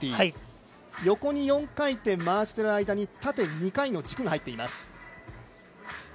横に４回転、回している間に縦２回の軸が入っています。